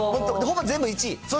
ほぼ全部１位？